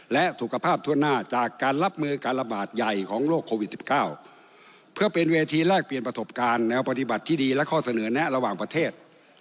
และสุขภาพทั่วหน้าจากการรับมือการระบาดใหญ่ของโรคโควิด๑๙เพื่อเป็นเวทีแลกเปลี่ยนประสบการณ์แนวปฏิบัติที่ดีและข้อเสนอแนะระหว่างประเทศ